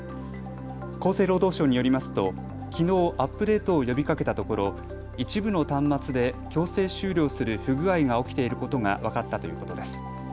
厚生労働省によりますときのうアップデートを呼びかけたところ一部の端末で強制終了する不具合が起きていることが分かったということです。